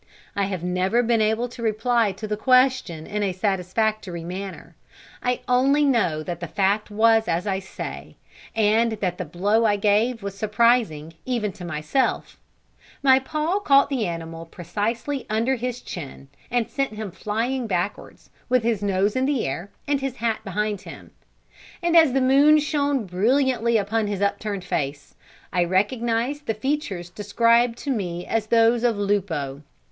I have never been able to reply to the question in a satisfactory manner. I only know that the fact was as I say, and that the blow I gave was surprising even to myself; my paw caught the animal precisely under his chin, and sent him flying backwards, with his nose in the air and his hat behind him; and as the moon shone brilliantly upon his upturned face, I recognised the features described to me as those of Lupo.